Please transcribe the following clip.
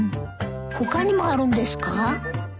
他にもあるんですか？